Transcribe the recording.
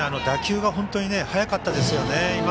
打球が本当に速かったですよね。